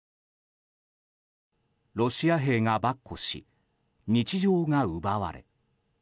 ロシア兵が跋扈し日常が奪われ。